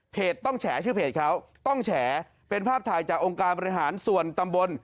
ต้องแฉชื่อเพจเขาต้องแฉเป็นภาพถ่ายจากองค์การบริหารส่วนตำบล